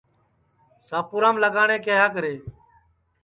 شاپُورام لگاٹؔے کیہا کرے